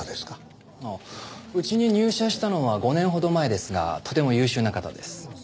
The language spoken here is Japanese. うちに入社したのは５年ほど前ですがとても優秀な方です。